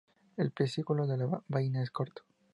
El peciolo de la vaina es corto.